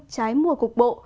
trái mùa cục bộ